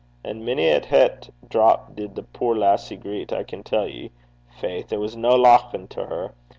And mony a het drap did the puir lassie greet, I can tell ye. Faith! it was no lauchin' to her.